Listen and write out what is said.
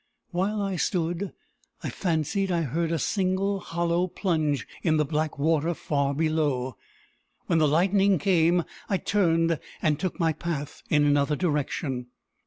While I stood, I fancied I heard a single hollow plunge in the black water far below. When the lightning came, I turned, and took my path in another direction.